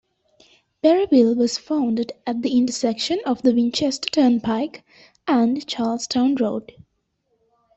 Berryville was founded at the intersection of the Winchester Turnpike and Charlestown Road.